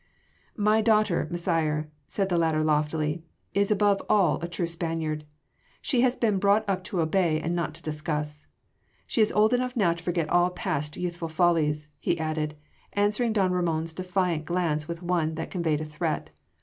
"My daughter, Messire," said the latter loftily, "is above all a true Spaniard. She has been brought up to obey and not to discuss. She is old enough now to forget all past youthful follies," he added, answering don Ramon’s defiant glance with one that conveyed a threat.